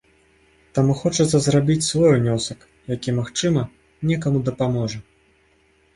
Таму хочацца зрабіць свой унёсак, які магчыма, некаму дапаможа.